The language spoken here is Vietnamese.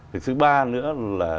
việc thứ ba nữa là